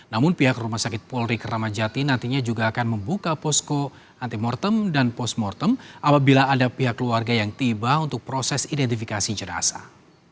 namun pihak rumah sakit polri kramajati nantinya juga akan membuka posko anti mortem dan post mortem apabila ada pihak keluarga yang tiba untuk proses identifikasi jenazah